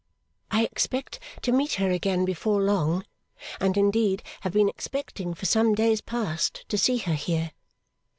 I expect to meet her again before long, and indeed have been expecting for some days past to see her here.